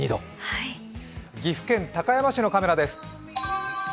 岐阜県高山市のカメラです。